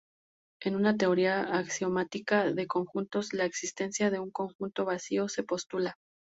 En una teoría axiomática de conjuntos, la existencia de un conjunto vacío se postula.